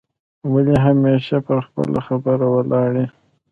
ولي همېشه پر خپله خبره ولاړ یې؟